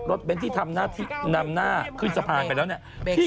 เบ้นที่ทำหน้าที่นำหน้าขึ้นสะพานไปแล้วเนี่ย